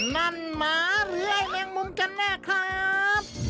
นั่นหมาเหรือแมงมุมกันแม่ครับ